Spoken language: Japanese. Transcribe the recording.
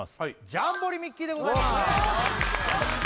「ジャンボリミッキー！」でございます